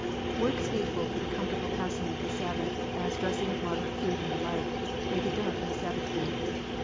It is not to * Works needful for the comfortable passing of the Sabbath, as dressing of moderate food and the like, may be done on the Sabbath Day.